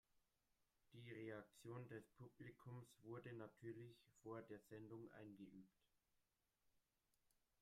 Die Reaktion des Publikums wurde natürlich vor der Sendung eingeübt.